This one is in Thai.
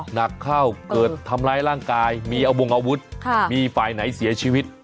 หนักเข้าเกิดทำร้ายร่างกายมีเอาวงอาวุธมีฝ่ายไหนเสียชีวิต